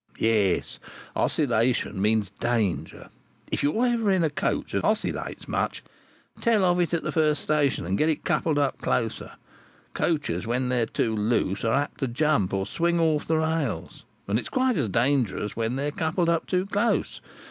"Yes; oscillation means danger. If you're ever in a coach that oscillates much, tell of it at the first station and get it coupled up closer. Coaches when they're too loose are apt to jump, or swing off the rails; and it's quite as dangerous when they're coupled up too close.